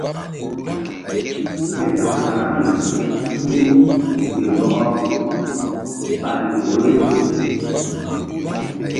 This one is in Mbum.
Ke ta̧w karaŋri kuɗu ke bɔkɔ ɓa riŋ horoŋri.